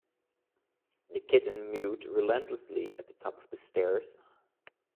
The kitten mewed relentlessly at the top of the stairs.